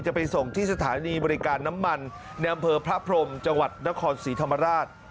จะไปส่งที่สถานีบริการน้ำมันในอำเภอพระพรมจังหวัดนครศรีธรรมราช